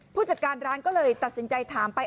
ผู้จัดการร้านก็เลยตัดสินใจถามไป